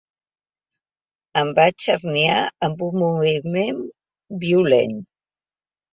Em vaig herniar amb un moviment violent.